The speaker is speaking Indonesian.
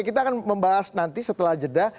kita akan membahas nanti setelah jeda